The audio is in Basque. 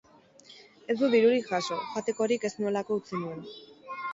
Ez dut dirurik jaso, jatekorik ez nuelako utzi nuen.